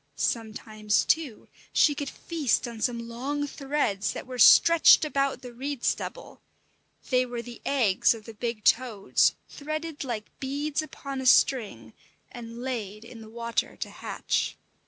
Sometimes, too, she could feast on some long threads that were stretched about the reed stubble; they were the eggs of the big toads, threaded like beads upon a string, and laid in the water to hatch.